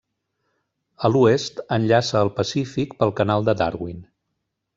A l'oest, enllaça al Pacífic pel canal de Darwin.